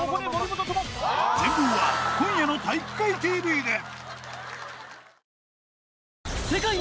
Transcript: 全貌は今夜の「体育会ＴＶ」で！